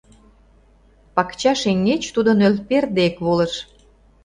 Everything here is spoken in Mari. Пакча шеҥгеч тудо нӧлпер дек волыш.